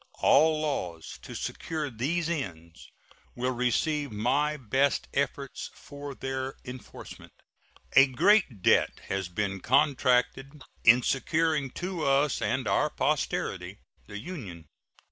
All laws to secure these ends will receive my best efforts for their enforcement. A great debt has been contracted in securing to us and our posterity the Union.